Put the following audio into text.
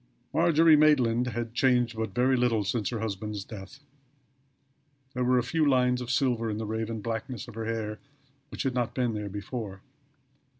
Margery Maitland had changed but very little since her husband's death. There were a few lines of silver in the raven blackness of her hair which had not been there before.